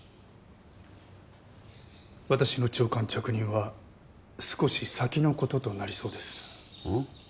私の長官着任は少し先のこととなりそうですうん？